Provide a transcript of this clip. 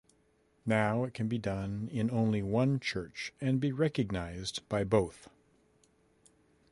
Now it can be done in only one church and be recognized by both.